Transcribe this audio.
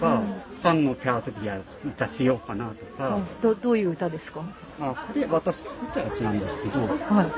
どういう歌ですか？